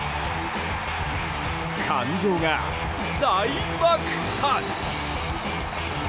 感情が大爆発！